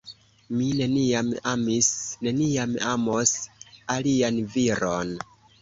Mi neniam amis, neniam amos alian viron.